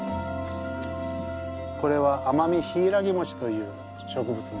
これはアマミヒイラギモチという植物になります。